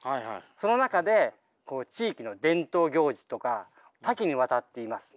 その中で地域の伝統行事とか多岐にわたっています。